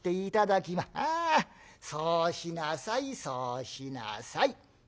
「ああそうしなさいそうしなさい。